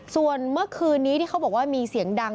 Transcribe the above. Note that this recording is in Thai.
ส่วนเมื่อคืนนี้ที่เขาบอกว่ามีเสียงดัง